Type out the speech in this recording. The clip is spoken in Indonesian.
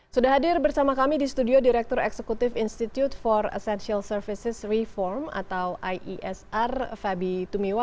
sudah hadir bersama kami di studio direktur eksekutif institute for essential services reform atau iesr fabi tumewa